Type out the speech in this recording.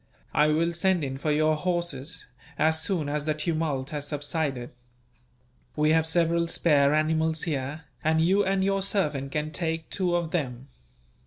I will send in for your horses, as soon as the tumult has subsided. We have several spare animals here, and you and your servant can take two of them.